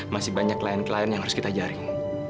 masih banyak klien klien yang harus kita jaring